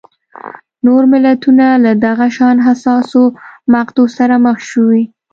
نور ملتونه له دغه شان حساسو مقطعو سره مخ شوي.